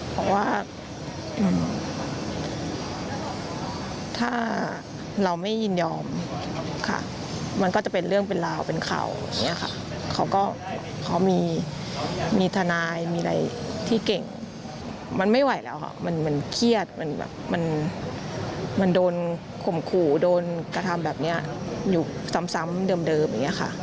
เพราะว่าถ้าเราไม่ยินยอมค่ะมันก็จะเป็นเรื่องเป็นราวเป็นข่าวอย่างนี้ค่ะเขาก็เขามีทนายมีอะไรที่เก่งมันไม่ไหวแล้วค่ะมันเหมือนเครียดมันแบบมันโดนข่มขู่โดนกระทำแบบนี้อยู่ซ้ำเดิมอย่างนี้ค่ะ